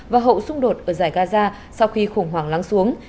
và hậu xung đột ở giải gaza sau khi khủng hoảng lắng xuống